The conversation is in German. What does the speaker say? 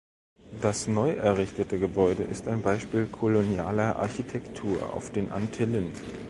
Das neu errichtete Gebäude ist ein Beispiel kolonialer Architektur auf den Antillen.